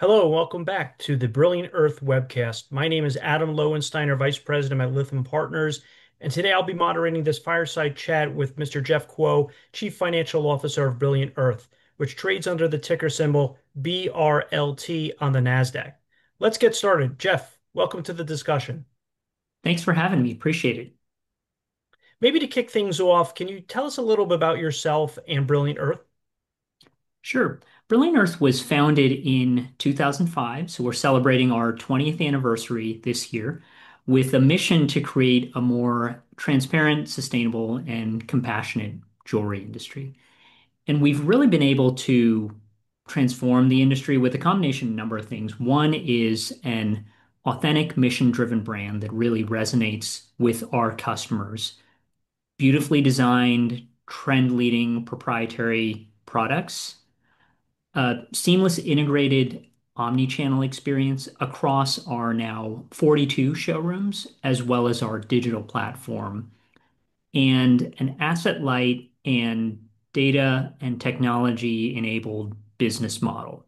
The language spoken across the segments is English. Hello, and welcome back to the Brilliant Earth webcast. My name is Adam Lowensteiner, Vice President at Lithium Partners, and today I'll be moderating this fireside chat with Mr. Jeff Kuo, Chief Financial Officer of Brilliant Earth, which trades under the ticker symbol BRLT on the Nasdaq. Let's get started. Jeff, welcome to the discussion. Thanks for having me. Appreciate it. Maybe to kick things off, can you tell us a little bit about yourself and Brilliant Earth? Sure. Brilliant Earth was founded in 2005, so we're celebrating our 20th anniversary this year, with a mission to create a more transparent, sustainable, and compassionate jewelry industry. We've really been able to transform the industry with a combination of a number of things. One is an authentic mission-driven brand that really resonates with our customers: beautifully designed, trend-leading proprietary products, a seamless integrated omnichannel experience across our now 42 showrooms, as well as our digital platform, and an asset-light and data and technology-enabled business model.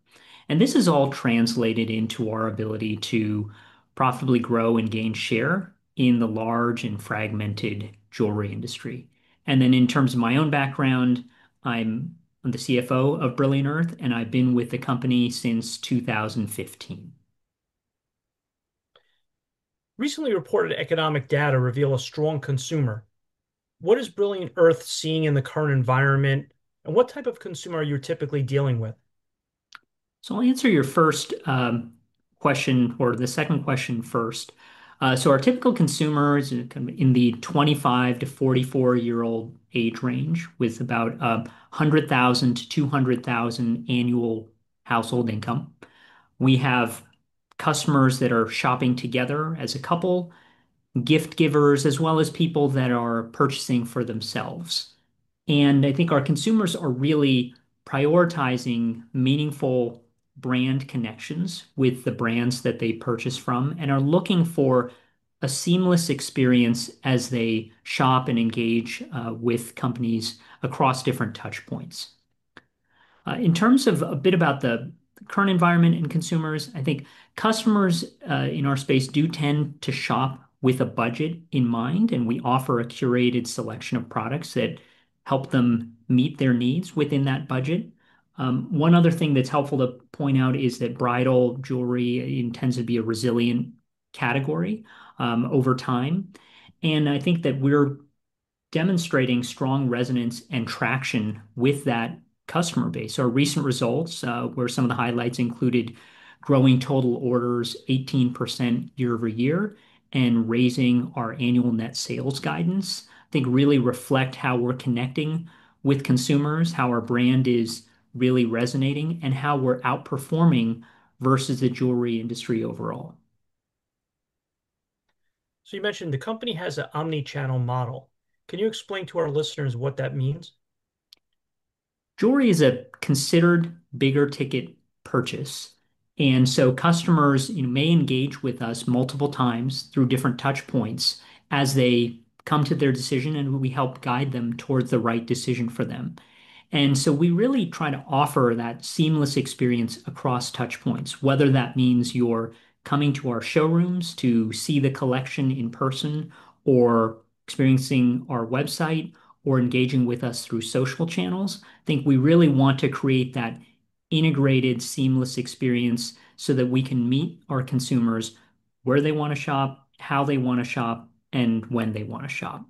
This has all translated into our ability to profitably grow and gain share in the large and fragmented jewelry industry. In terms of my own background, I'm the CFO of Brilliant Earth, and I've been with the company since 2015. Recently reported economic data reveal a strong consumer. What is Brilliant Earth seeing in the current environment, and what type of consumer are you typically dealing with? I'll answer your second question first. Our typical consumer is in the 25-44-year-old age range, with about $100,000-$200,000 annual household income. We have customers that are shopping together as a couple, gift givers, as well as people that are purchasing for themselves. I think our consumers are really prioritizing meaningful brand connections with the brands that they purchase from and are looking for a seamless experience as they shop and engage with companies across different touch points. In terms of a bit about the current environment and consumers, I think customers in our space do tend to shop with a budget in mind, and we offer a curated selection of products that help them meet their needs within that budget. One other thing that's helpful to point out is that bridal jewelry tends to be a resilient category over time. I think that we're demonstrating strong resonance and traction with that customer base. Our recent results were some of the highlights included growing total orders 18% year-over-year and raising our annual net sales guidance. I think really reflect how we're connecting with consumers, how our brand is really resonating, and how we're outperforming versus the jewelry industry overall. You mentioned the company has an omnichannel model. Can you explain to our listeners what that means? Jewelry is a considered bigger ticket purchase, and customers may engage with us multiple times through different touch points as they come to their decision. We help guide them towards the right decision for them. We really try to offer that seamless experience across touch points, whether that means you're coming to our showrooms to see the collection in person, experiencing our website, or engaging with us through social channels. I think we really want to create that integrated seamless experience so that we can meet our consumers where they want to shop, how they want to shop, and when they want to shop.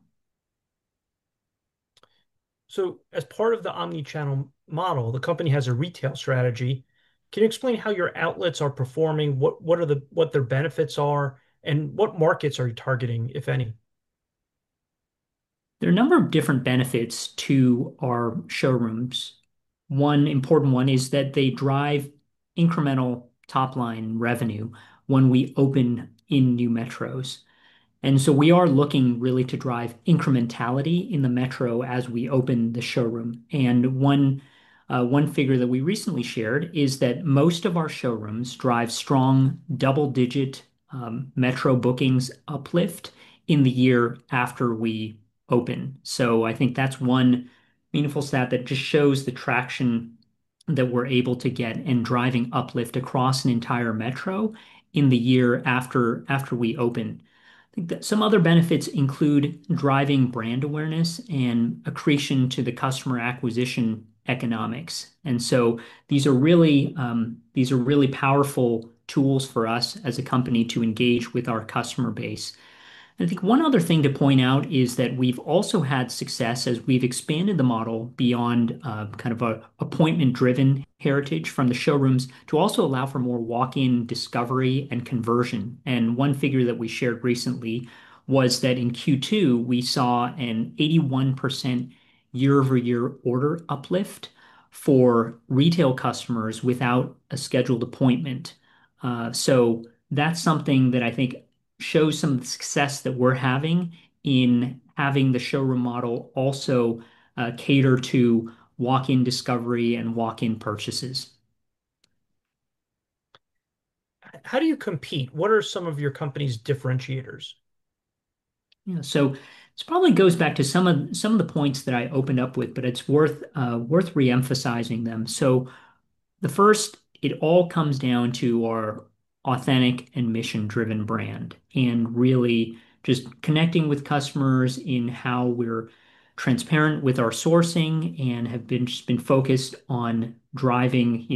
As part of the omnichannel model, the company has a retail strategy. Can you explain how your outlets are performing, what their benefits are, and what markets are you targeting, if any? There are a number of different benefits to our showrooms. One important one is that they drive incremental top-line revenue when we open in new metros. We are looking really to drive incrementality in the metro as we open the showroom. One figure that we recently shared is that most of our showrooms drive strong double-digit metro bookings uplift in the year after we open. I think that's one meaningful stat that just shows the traction that we're able to get and driving uplift across an entire metro in the year after we open. Some other benefits include driving brand awareness and accretion to the customer acquisition economics. These are really powerful tools for us as a company to engage with our customer base. One other thing to point out is that we've also had success as we've expanded the model beyond kind of appointment-driven heritage from the showrooms to also allow for more walk-in discovery and conversion. One figure that we shared recently was that in Q2, we saw an 81% year-over-year order uplift for retail customers without a scheduled appointment. That's something that I think shows some of the success that we're having in having the showroom model also cater to walk-in discovery and walk-in purchases. How do you compete? What are some of your company's differentiators? This probably goes back to some of the points that I opened up with, but it's worth reemphasizing them. The first, it all comes down to our authentic and mission-driven brand and really just connecting with customers in how we're transparent with our sourcing and have been focused on driving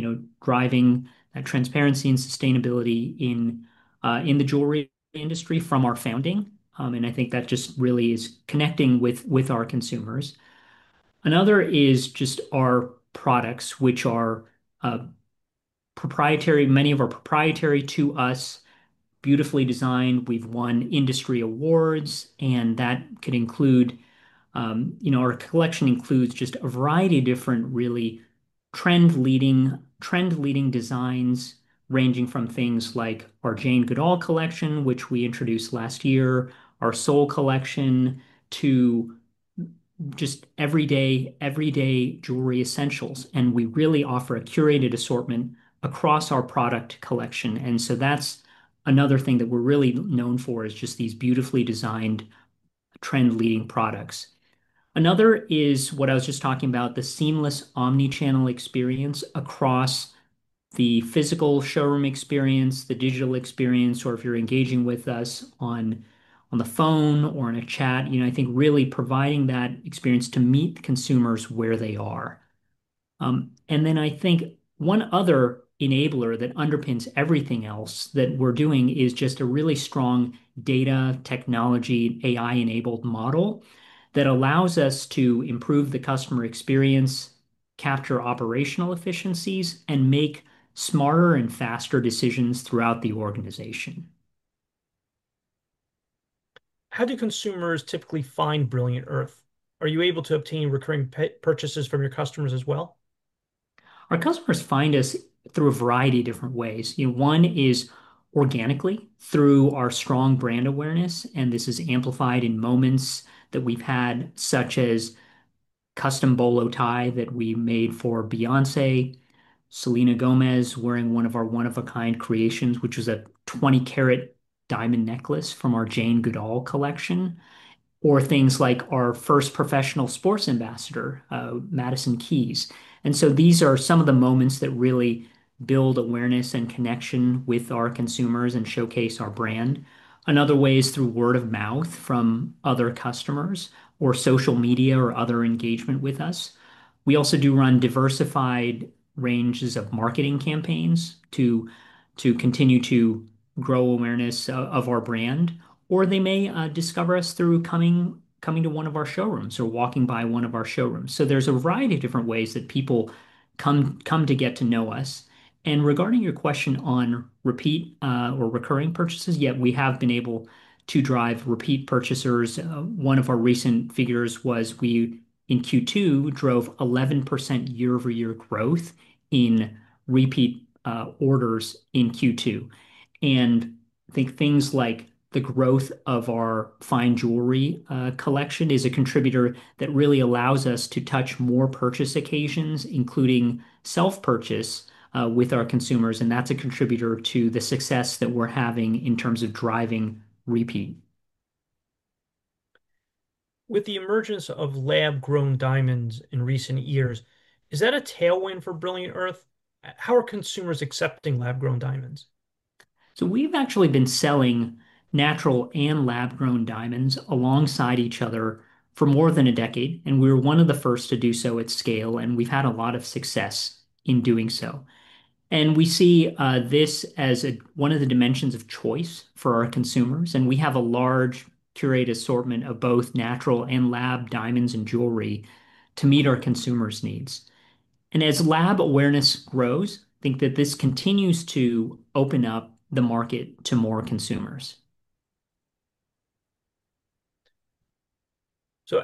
transparency and sustainability in the jewelry industry from our founding. I think that just really is connecting with our consumers. Another is just our products, which are many of our proprietary to us, beautifully designed. We've won industry awards, and that could include, our collection includes just a variety of different really trend-leading designs ranging from things like our Jane Goodall Collection, which we introduced last year, our Sol Collection, to just everyday jewelry essentials. We really offer a curated assortment across our product collection. That's another thing that we're really known for is just these beautifully designed trend-leading products. Another is what I was just talking about, the seamless omnichannel experience across the physical showroom experience, the digital experience, or if you're engaging with us on the phone or in a chat. I think really providing that experience to meet consumers where they are. I think one other enabler that underpins everything else that we're doing is just a really strong data technology AI-enabled model that allows us to improve the customer experience, capture operational efficiencies, and make smarter and faster decisions throughout the organization. How do consumers typically find Brilliant Earth? Are you able to obtain recurring purchases from your customers as well? Our customers find us through a variety of different ways. One is organically through our strong brand awareness, and this is amplified in moments that we've had, such as a custom bolo tie that we made for Beyoncé, Selena Gomez wearing one of our one-of-a-kind creations, which was a 20-carat diamond necklace from our Jane Goodall Collection, or things like our first professional sports ambassador, Madison Keys. These are some of the moments that really build awareness and connection with our consumers and showcase our brand. Another way is through word of mouth from other customers or social media or other engagement with us. We also do run diversified ranges of marketing campaigns to continue to grow awareness of our brand, or they may discover us through coming to one of our showrooms or walking by one of our showrooms. There is a variety of different ways that people come to get to know us. Regarding your question on repeat or recurring purchases, yes, we have been able to drive repeat purchasers. One of our recent figures was we, in Q2, drove 11% year-over-year growth in repeat orders in Q2. I think things like the growth of our fine jewelry collection is a contributor that really allows us to touch more purchase occasions, including self-purchase with our consumers. That's a contributor to the success that we're having in terms of driving repeat. With the emergence of lab-grown diamonds in recent years, is that a tailwind for Brilliant Earth? How are consumers accepting lab-grown diamonds? We have actually been selling natural and lab-grown diamonds alongside each other for more than a decade, and we're one of the first to do so at scale. We've had a lot of success in doing so. We see this as one of the dimensions of choice for our consumers, and we have a large curated assortment of both natural and lab diamonds and jewelry to meet our consumers' needs. As lab awareness grows, I think that this continues to open up the market to more consumers.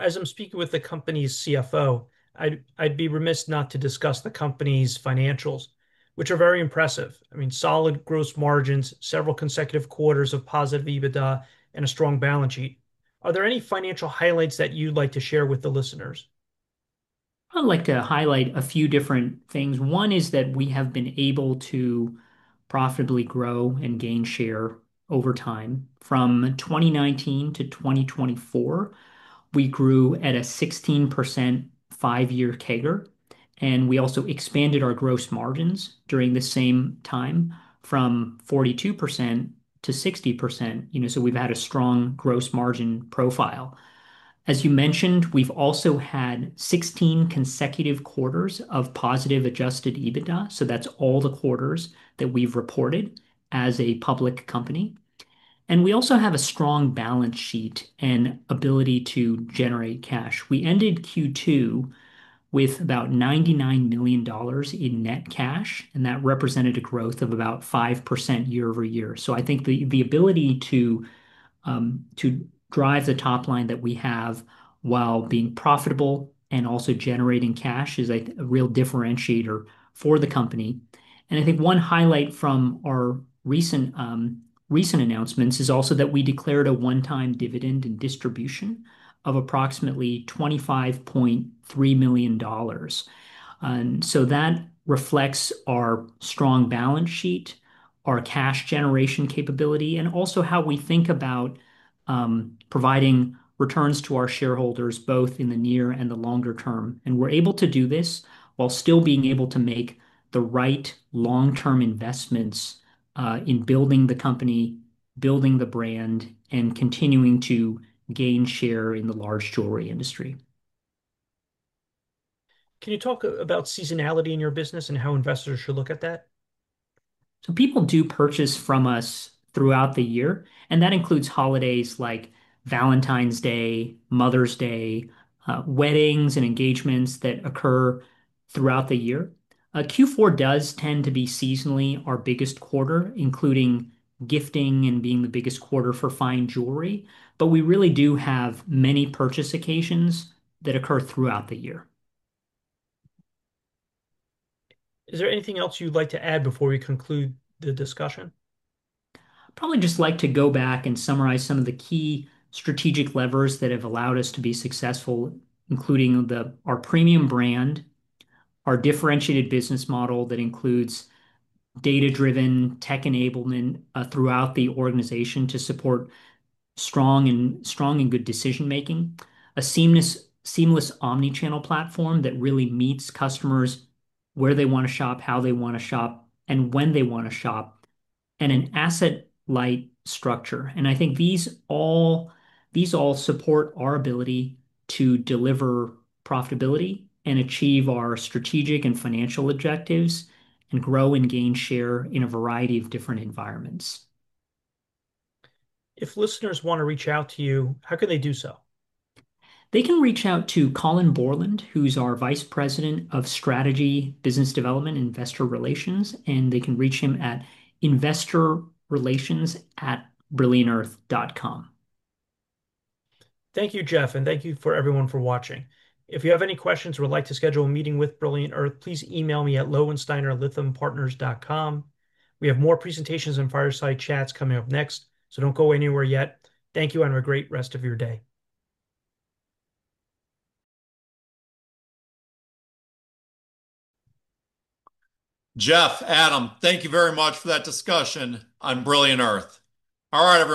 As I'm speaking with the company's CFO, I'd be remiss not to discuss the company's financials, which are very impressive. I mean, solid gross margins, several consecutive quarters of positive EBITDA, and a strong balance sheet. Are there any financial highlights that you'd like to share with the listeners? I'd like to highlight a few different things. One is that we have been able to profitably grow and gain share over time. From 2019-2024, we grew at a 16% five-year CAGR, and we also expanded our gross margins during the same time from 42% to 60%. We've had a strong gross margin profile. As you mentioned, we've also had 16 consecutive quarters of positive adjusted EBITDA. That's all the quarters that we've reported as a public company. We also have a strong balance sheet and ability to generate cash. We ended Q2 with about $99 million in net cash, and that represented a growth of about 5% year-over-year. I think the ability to drive the top line that we have while being profitable and also generating cash is a real differentiator for the company. One highlight from our recent announcements is also that we declared a one-time dividend and distribution of approximately $25.3 million. That reflects our strong balance sheet, our cash generation capability, and also how we think about providing returns to our shareholders both in the near and the longer term. We're able to do this while still being able to make the right long-term investments in building the company, building the brand, and continuing to gain share in the large jewelry industry. Can you talk about seasonality in your business and how investors should look at that? People do purchase from us throughout the year, and that includes holidays like Valentine's Day, Mother's Day, weddings, and engagements that occur throughout the year. Q4 does tend to be seasonally our biggest quarter, including gifting and being the biggest quarter for fine jewelry. We really do have many purchase occasions that occur throughout the year. Is there anything else you'd like to add before we conclude the discussion? I'd probably just like to go back and summarize some of the key strategic levers that have allowed us to be successful, including our premium brand, our differentiated business model that includes data-driven tech enablement throughout the organization to support strong and good decision-making, a seamless omnichannel platform that really meets customers where they want to shop, how they want to shop, and when they want to shop, and an asset-light structure. I think these all support our ability to deliver profitability and achieve our strategic and financial objectives and grow and gain share in a variety of different environments. If listeners want to reach out to you, how can they do so? They can reach out to Colin Bourland, who's our Vice President of Strategy, Business Development, and Investor Relations, and they can reach him at investorrelations@brilliantearth.com. Thank you, Jeff, and thank you for everyone for watching. If you have any questions or would like to schedule a meeting with Brilliant Earth, please email me at lowensteiner@lithiumpartners.com. We have more presentations and fireside chats coming up next, so don't go anywhere yet. Thank you and have a great rest of your day. Jeff, Adam, thank you very much for that discussion on Brilliant Earth. All right, over.